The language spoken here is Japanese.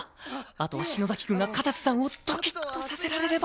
あとは篠崎くんが片瀬さんをドキッとさせられれば！